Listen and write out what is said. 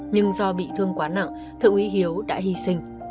nhưng do bị thương quá nặng thượng úy hiếu đã hy sinh